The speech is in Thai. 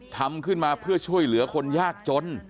ทำขึ้นมาเพื่อช่วยเหลือคนยากจน